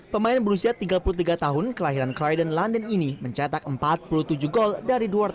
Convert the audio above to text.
pemain berusia tiga puluh tiga tahun kelahiran cry dan london ini mencetak empat puluh tujuh gol dari dua ratus enam puluh